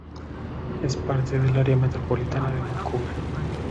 Es parte del Área Metropolitana de Vancouver.